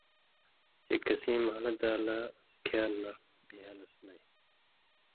چے کسیں مھال دالہ (اڅھکیار نہ) بِھیالس نَیں،